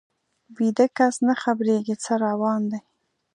ویده کس نه خبریږي څه روان دي